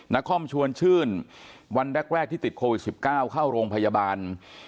นครชวนชื่นวันแรกที่ติดโควิด๑๙เข้าโรงพยาบาล